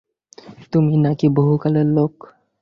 তুমি নাকি বহুকালের লোক।